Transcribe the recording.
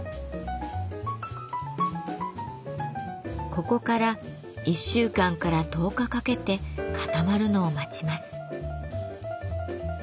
ここから１週間から１０日かけて固まるのを待ちます。